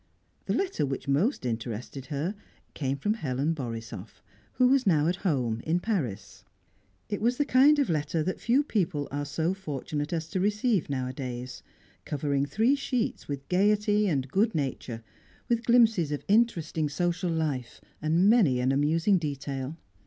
The letter which most interested her came from Helen Borisoff, who was now at home, in Paris. It was the kind of letter that few people are so fortunate as to receive nowadays, covering three sheets with gaiety and good nature, with glimpses of interesting social life and many an amusing detail.